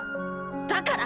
だから。